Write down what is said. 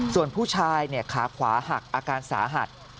ส่วนผู้ชายขาขวาหักอาการสาหัส